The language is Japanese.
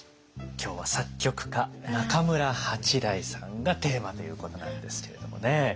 今日は作曲家中村八大さんがテーマということなんですけれどもね。